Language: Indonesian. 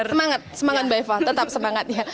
semangat semangat mbak eva tetap semangat ya